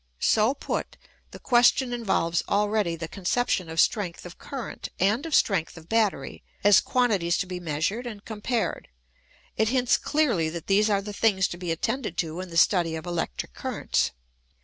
So put, the question involves already the conception of strength of current, and of strength of battery, as quantities to be measured and compared ; it hints clearly that these are the things to be attended to in the study of electric currents.